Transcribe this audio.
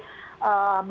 saya juga sangat berharap